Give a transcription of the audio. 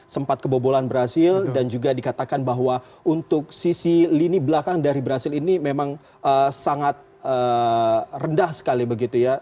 sempat kebobolan brazil dan juga dikatakan bahwa untuk sisi lini belakang dari brazil ini memang sangat rendah sekali begitu ya